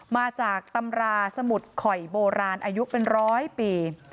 มาจากตำราสมุดข่อยโบราณอายุเป็นร้อยปี